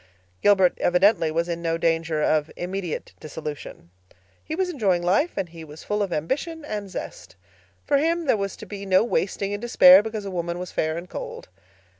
Gilbert evidently was in no danger of immediate dissolution. He was enjoying life, and he was full of ambition and zest. For him there was to be no wasting in despair because a woman was fair and cold.